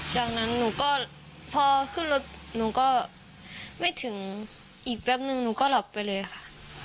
จากนั้นหนูก็พอขึ้นรถหนูก็ไม่ถึงอีกแป๊บนึงหนูก็หลับไปเลยค่ะ